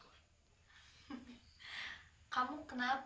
kamu kenapa mesti takut dan